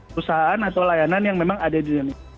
perusahaan atau layanan yang memang ada di indonesia